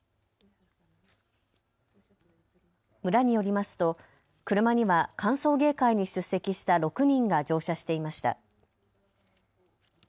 村によりますと車には歓送迎会に出席した６人が乗車していました。